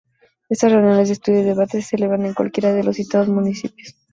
Estas reuniones de estudio y debate se celebran en cualquiera de los citados municipios.